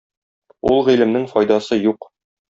Ул гыйлемнең файдасы юк.